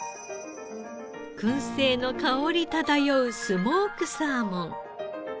燻製の香り漂うスモークサーモン。